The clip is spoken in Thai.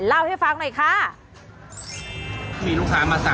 เริ่มมีงานไหลไทต์เข้ามา